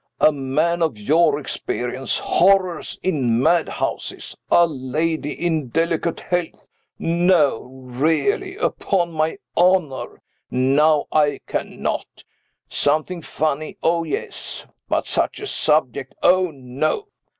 A man of your experience. Horrors in madhouses. A lady in delicate health. No, really. Upon my honor, now, I cannot. Something funny, oh yes. But such a subject, oh no."